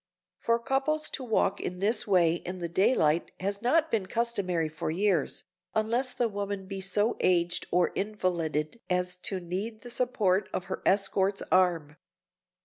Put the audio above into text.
For couples to walk in this way in the daylight has not been customary for years, unless the woman be so aged or invalided as to need the support of her escort's arm.